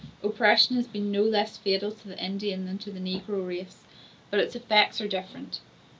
Oppression has been no less fatal to the Indian than to the negro race, but its effects are different.